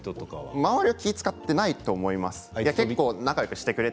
周りは気を遣っていないと思います。